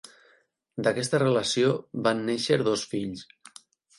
D'aquesta relació van néixer dos fills.